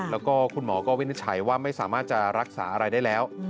แล้วก็คุณหมอก็วินิจฉัยว่าไม่สามารถจะรักษาอะไรได้แล้ว